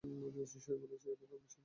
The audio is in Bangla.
সে বলছে এটা তার মিশন।